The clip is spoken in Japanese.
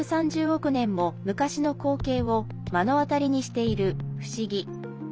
１３０億年も昔の光景を目の当たりにしている不思議。